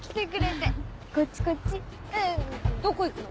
えっどこ行くの？